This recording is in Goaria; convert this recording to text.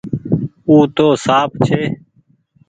او تو سانپ ڇي۔